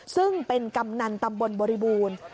ซึ่งเป็นกำนันตำบลบริบูรณ์